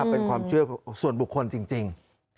เป็นความเชื่อส่วนบุคคลจริง